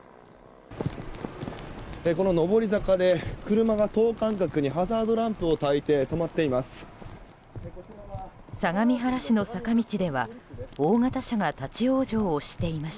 この上り坂で車が等間隔にハザードランプをたいて止まっています。